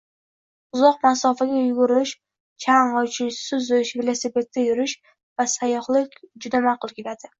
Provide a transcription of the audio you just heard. Uzoq masofaga yugurish, chang‘i uchish, suzish, velosipedda yurish va sayyohlik juda maʼqul keladi.